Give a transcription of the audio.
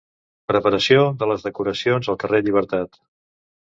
Preparació de les decoracions al carrer Llibertat.